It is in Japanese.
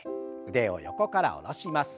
腕を横から下ろします。